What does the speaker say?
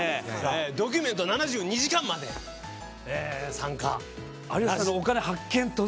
「ドキュメント７２時間」まで参加。